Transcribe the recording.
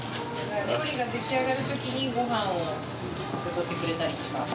料理が出来上がるときに、ごはんをよそってくれたりとか。